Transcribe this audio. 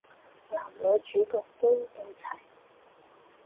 男女主角都到齊